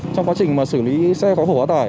trong quá trình mà xử lý xe khó khổ hạ tải